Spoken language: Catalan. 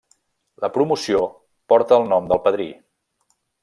La promoció porta el nom del padrí.